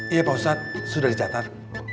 iya pak ustadz sudah dicatat